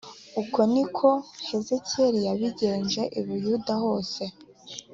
Uko ni ko Hezekiya yabigenje i Buyuda hose